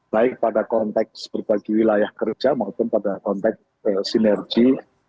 baik pada konteks berbagi wilayah kerja maupun pada konteks sinergi